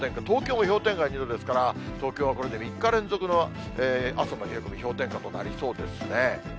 東京も氷点下２度ですから、東京はこれで３日連続の朝の冷え込み、氷点下となりそうですね。